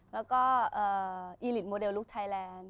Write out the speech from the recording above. แล้วก็อีลิตโมเดลลูกไทยแลนด์